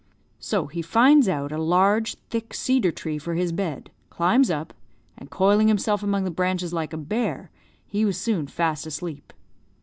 So he finds out a large thick cedar tree for his bed, climbs up, and coiling himself among the branches like a bear, he was soon fast asleep.